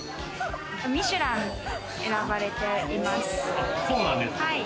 ミシュランに選ばれています。